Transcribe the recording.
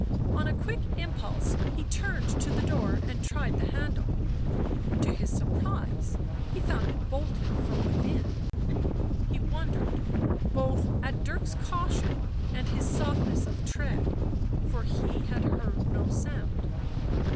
On a quick impulse he turned to the door and tried the handle. To his surprise he found it bolted from within; he wondered both at Dirk's caution and his softness of tread, for he had heard no sound.